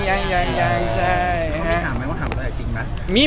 มีถามว่าถามได้หรือไม่